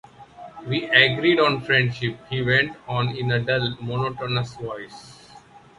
“We agreed on friendship,” he went on in a dull, monotonous voice.